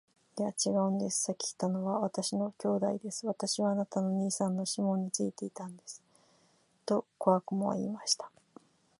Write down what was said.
「いや、ちがうんです。先来たのは私の兄弟です。私はあなたの兄さんのシモンについていたんです。」と小悪魔は言いました。